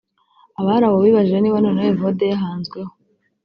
Abari aho bibajije niba noneho Evode yahanzweho